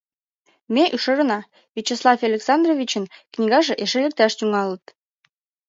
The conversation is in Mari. Ме ӱшанена, Вячеслав Александровичын книгаже эше лекташ тӱҥалыт.